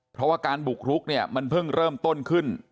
เพราะว่าการบุกรุกเนี่ยมันเพิ่งเริ่มต้นขึ้น